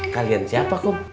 kalian siapa kum